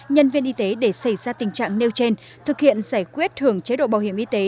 nhân viên y tế để xảy ra tình trạng nêu trên thực hiện giải quyết hưởng chế độ bảo hiểm y tế